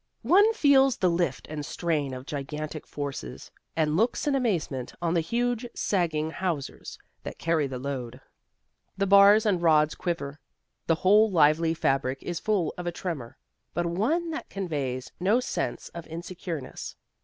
One feels the lift and strain of gigantic forces, and looks in amazement on the huge sagging hawsers that carry the load. The bars and rods quiver, the whole lively fabric is full of a tremor, but one that conveys no sense of insecureness.